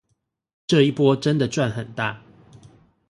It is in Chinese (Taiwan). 這一波真的賺很大